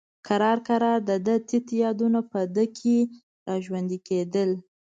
کرار کرار د ده تت یادونه په ده کې را ژوندي کېدل.